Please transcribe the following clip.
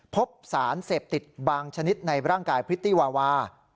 พบสารเสพติดบางชนิดในร่างกายพริตตี้วาวา